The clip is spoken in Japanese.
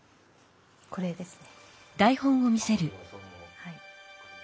これですね。